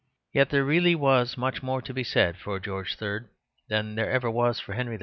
Yet there really was much more to be said for George III. than there ever was for Henry V.